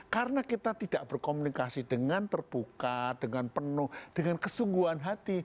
karena kita tidak berkomunikasi dengan terbuka dengan penuh dengan kesungguhan hati